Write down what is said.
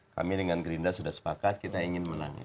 kami dengan gerindra sudah sepakat kita ingin menang